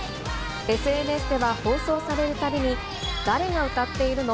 ＳＮＳでは放送されるたびに、誰が歌っているの？